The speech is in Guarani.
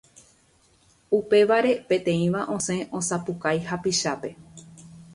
Upévare peteĩva osẽ osapukái hapichápe.